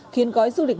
khiến gói du lịch